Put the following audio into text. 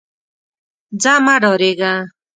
ځه مه ډارېږه.